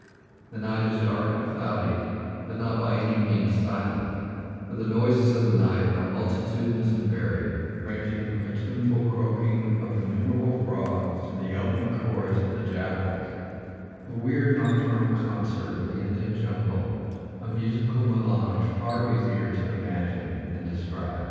The night is dark and cloudy, but not by any means silent, for the "noises of the night" are multitudinous and varied, ranging from the tuneful croaking of innumerable frogs to the yelping chorus of the jackals the weird nocturnal concert of the Indian jungle, a musical melange far easier to imagine than describe.